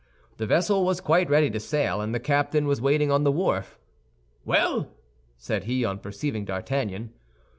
The vessel was quite ready to sail, and the captain was waiting on the wharf. "Well?" said he, on perceiving D'Artagnan.